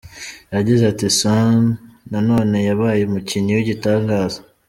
Yagize ati: " Son nanone yabaye umukinnyi w'igitangaza.